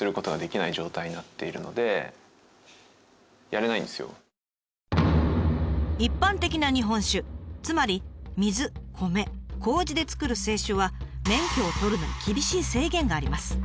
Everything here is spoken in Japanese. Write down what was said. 厳密に言うと一般的な日本酒つまり水米麹で造る清酒は免許を取るのに厳しい制限があります。